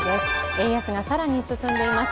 円安が更に進んでいます。